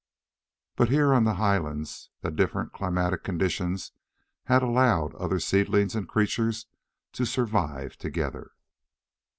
But here on the highlands the different climatic conditions had allowed other seedlings and creatures to survive together.